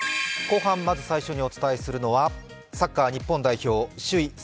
後半まず最初にお伝えするのはサッカー日本代表、首位